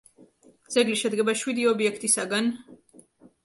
ძეგლი შედგება შვიდი ობიექტისაგან.